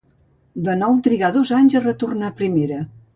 De nou trigà dos anys a retornar a primera.